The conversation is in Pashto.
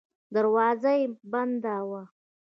دروازه یې بنده وه.